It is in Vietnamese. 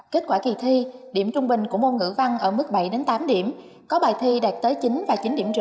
kết quả kỳ thi điểm trung bình của môn ngữ văn ở mức bảy tám điểm có bài thi đạt tới chín và chín điểm rư